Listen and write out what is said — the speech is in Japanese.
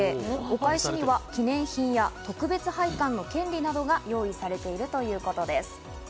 お返しには記念品や特別拝観の権利などが用意されているということです。